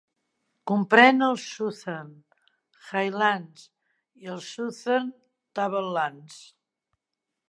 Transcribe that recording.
Comprèn els Southern Highlands i els Southern Tablelands.